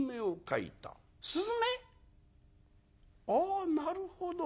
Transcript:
あなるほど。